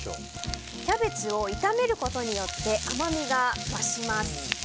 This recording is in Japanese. キャベツを炒めることで甘みが増します。